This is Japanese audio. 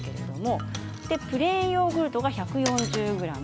プレーンヨーグルト、１４０ｇ。